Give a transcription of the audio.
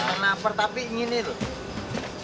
bener bener napar tapi ingini loh